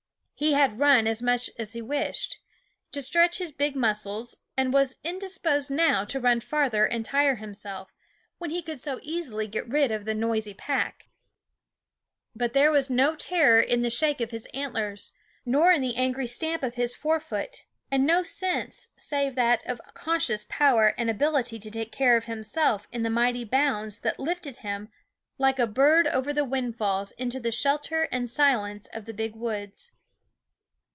He had run as much as he wished, to stretch his big muscles, and was indisposed now to run farther and tire himself, when he could so easily get rid of the noisy pack. But there was no terror in the shake of his antlers, nor in the angry THE WOODS * stamp of his fore foot, and no sense save that of conscious power and ability to take care of himself in the mighty bounds that lifted him like a bird over the windfalls into the shelter and silence of the big woods.